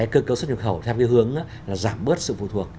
cơ cấu xuất nhập khẩu theo hướng giảm bớt sự phù thuộc